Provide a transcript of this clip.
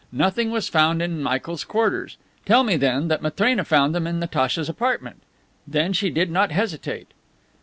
Nothing was found in Michael's quarters. Tell me, then, that Matrena found them in Natacha's apartment. Then, she did not hesitate!"